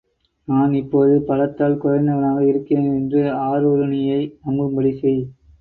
நான் இப்போது பலத்தில் குறைந்தவனாக இருக்கிறேன் என்று ஆருணியை நம்பும்படி செய்.